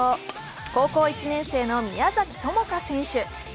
高校１年生の宮崎友花選手。